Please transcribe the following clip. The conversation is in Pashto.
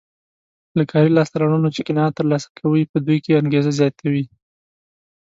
له کاري لاسته راوړنو چې قناعت ترلاسه کوي په دوی کې انګېزه زیاتوي.